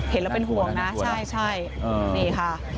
เห็นแล้วเป็นห่วงนะใช่นี่ค่ะ